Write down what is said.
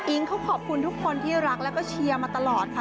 เขาขอบคุณทุกคนที่รักแล้วก็เชียร์มาตลอดค่ะ